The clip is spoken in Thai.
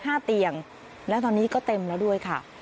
ห้าเตียงและตอนนี้ก็เต็มแล้วด้วยค่ะ